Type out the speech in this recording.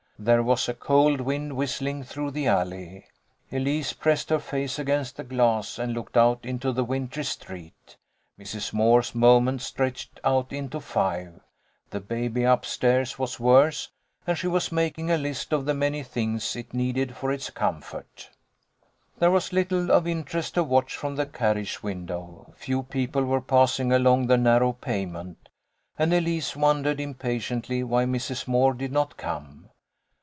There was a cold wind whistling through the alley. Elise pressed her face against the glass and looked out into the wintry street. Mrs. Moore's moment stretched out into five. The baby up stairs was worse, and she was making a list of the many things it needed for its comfort. There was little of interest to watch from the car riage window. Few people were passing along the narrow pavement, and Elise wondered impatiently why Mrs. Moore did not come.